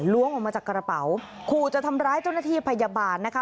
ออกมาจากกระเป๋าขู่จะทำร้ายเจ้าหน้าที่พยาบาลนะคะ